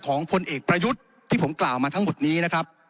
พลเอกประยุทธ์ที่ผมกล่าวมาทั้งหมดนี้นะครับ